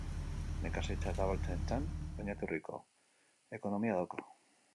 Nekazaritza eta abeltzaintzan oinarrituriko ekonomia dauka.